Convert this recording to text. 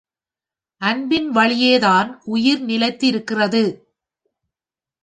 அன்பின் வழியேதான் உயிர் நிலைத்து இருக்கிறது.